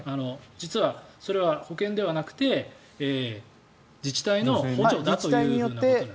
実はそれは保険ではなくて自治体の補助だということです。